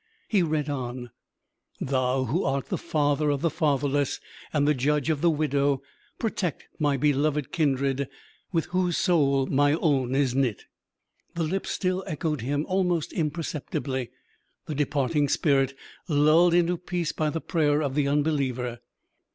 He read on, "Thou who art the Father of the fatherless and the Judge of the widow, protect my beloved kindred with whose soul my own is knit." The lips still echoed him almost imperceptibly, the departing spirit lulled into peace by the prayer of the unbeliever.